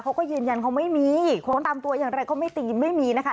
เขาก็ยืนยันเขาไม่มีของตามตัวอย่างไรก็ไม่ตีนไม่มีนะคะ